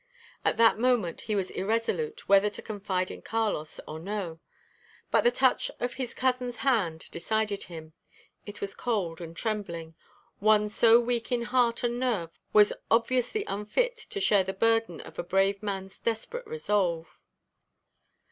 At that moment he was irresolute whether to confide in Carlos or no. But the touch of his cousin's hand decided him. It was cold and trembling. One so weak in heart and nerve was obviously unfit to share the burden of a brave man's desperate resolve.